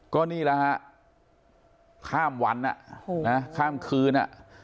ก็นี่แหละฮะข้ามวันข้ามคืน